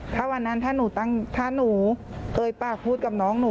ถ้าวันนั้นถ้าฉันเกยปากพูดกับน้องฉัน